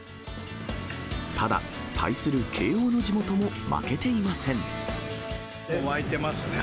ただ、対する慶応の地元も負沸いてますね。